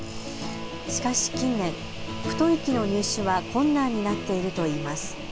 しかし近年太い木の入手は困難になっているといいます。